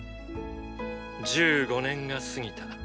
１５年が過ぎた。